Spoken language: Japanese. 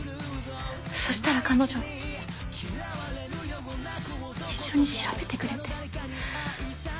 そしたら彼女一緒に調べてくれて。